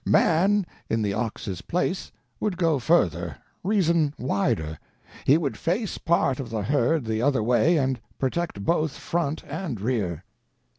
Man, in the ox's place, would go further, reason wider: he would face part of the herd the other way and protect both front and rear.